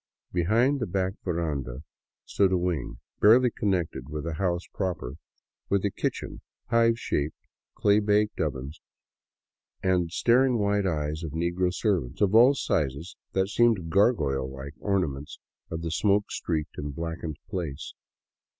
Behind the back veranda stood a wing, barely connected with the house proper, with a kitchen, hive shaped clay bake ovens, and the staring white eyes of negro servants of all sizes that seemed gargoyle like ornaments of the smoke streaked and blackened place.